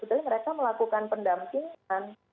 sebetulnya mereka melakukan pendampingan